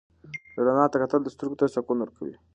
رڼا ته کتل سترګو ته سکون ورکوي.